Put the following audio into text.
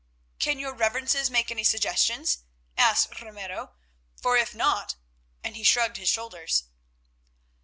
"Can your reverences make any suggestions?" asked Ramiro, "for if not—" and he shrugged his shoulders.